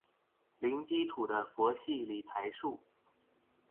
零基礎的佛系理財術